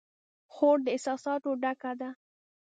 خور د احساساتو ډکه ده.